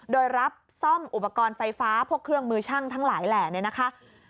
โดยรับซ่อมอุปกรณ์ไฟฟ้าพวกเครื่องมือช่างทั้งหลายแหล่เนี่ยนะคะ